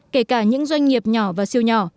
kể cả những doanh nghiệp nhỏ và siêu nhỏ